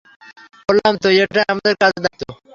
বললাম তো, এটাই আমাদের কাজের দায়িত্ব।